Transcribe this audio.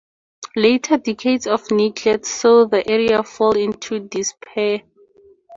Later decades of neglect saw the area fall into disrepair.